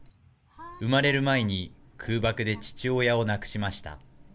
生まれる前に空爆で父親を亡くしました。